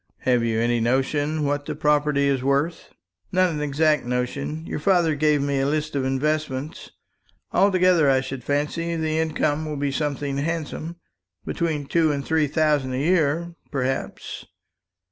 "Have you any notion what the property is worth?" "Not an exact notion. Your father gave me a list of investments. Altogether, I should fancy, the income will be something handsome between two and three thousand a year, perhaps.